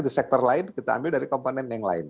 di sektor lain kita ambil dari komponen yang lain